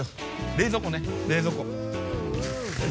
冷蔵庫ね冷蔵庫。